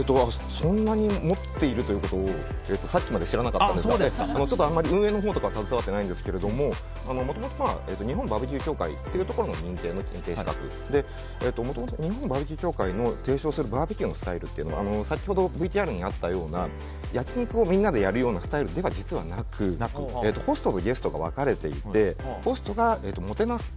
そんなに持っているということをさっきまで知らなかったんですがちょっとあんまり運営のほうには携わっていないんですけどもともと日本バーベキュー協会というところの認定の検定資格で、もともと日本バーベキュー協会の提唱するバーベキューのスタイルというのは先ほどＶＴＲにあったような焼き肉をみんなでやるようなスタイルでは実はなくホストとゲストが分かれていてホストがもてなす。